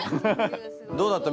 どうだった？